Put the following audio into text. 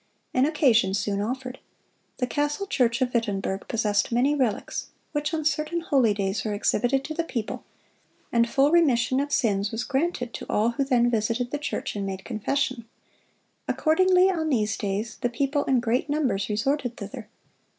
An occasion soon offered. The castle church of Wittenberg possessed many relics, which on certain holy days were exhibited to the people, and full remission of sins was granted to all who then visited the church and made confession. Accordingly on these days the people in great numbers resorted thither.